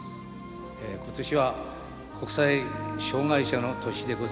今年は国際障害者の年でございますのに。